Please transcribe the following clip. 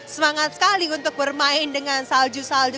semangat sekali untuk bermain dengan salju salju